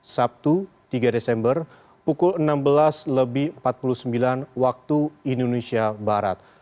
sabtu tiga desember pukul enam belas lebih empat puluh sembilan waktu indonesia barat